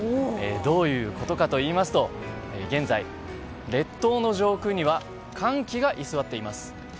どういうことかといいますと現在、列島の上空には寒気が居座っています。